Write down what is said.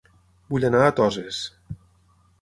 Vull anar a Toses